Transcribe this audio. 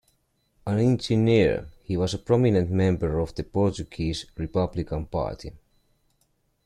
An engineer, he was a prominent member of the Portuguese Republican Party.